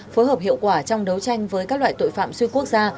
phối hợp hiệu quả trong đấu tranh với các loại tội phạm xuyên quốc gia